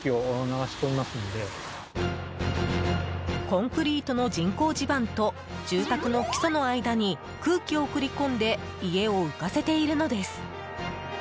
コンクリートの人工地盤と住宅の基礎の間に空気を送り込んで家を浮かせているのです。